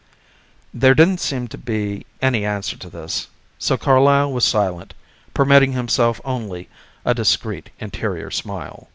There didn't seem to be any answer to this, so Carlyle was silent, permitting himself only a discreet interior smile.